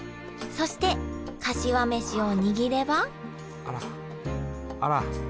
そしてかしわ飯を握ればあらあらあら。